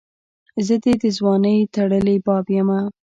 زه دي دځوانۍ ټړلي باب یمه